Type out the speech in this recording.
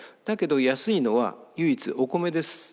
だけど安いのは唯一お米です。